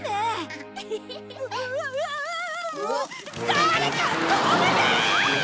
誰か止めて！